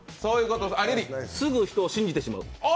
すぐ人を信じてしまう。